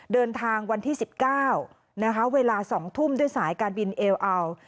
เดินทางวันที่๑๙นะคะเวลา๒ทุ่มด้วยสายการบินเอลอัล